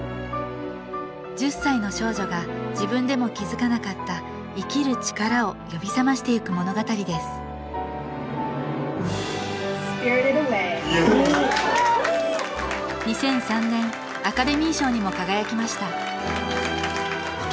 １０歳の少女が自分でも気付かなかった生きる力を呼びさましていく物語です「ＳｐｉｒｉｔｅｄＡｗａｙ」．２００３年アカデミー賞にも輝きました